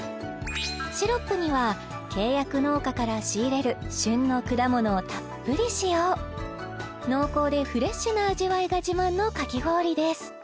シロップには契約農家から仕入れる旬の果物をたっぷり使用濃厚でフレッシュな味わいが自慢のかき氷です